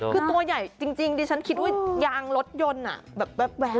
คือตัวใหญ่จริงดิฉันคิดยางรถยนต์อ่ะแบบร้ายมน้ำ